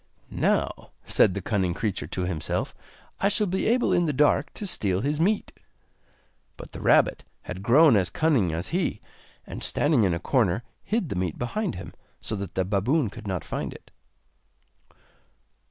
'Now,' said the cunning creature to himself, 'I shall be able in the dark to steal his meat!' But the rabbit had grown as cunning as he, and standing in a corner hid the meat behind him, so that the baboon could not find it.